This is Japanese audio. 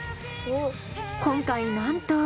今回なんと。